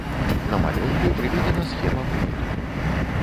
На малюнку прыведзена схема вопыту.